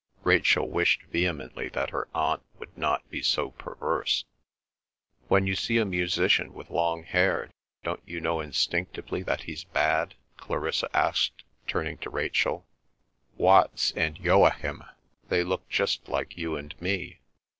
Rachel wished vehemently that her aunt would not be so perverse. "When you see a musician with long hair, don't you know instinctively that he's bad?" Clarissa asked, turning to Rachel. "Watts and Joachim—they looked just like you and me."